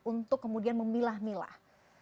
untuk kemudian memilah milah